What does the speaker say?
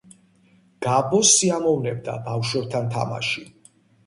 გაბოს სიამოვნებდა ბავშვებთან თამაში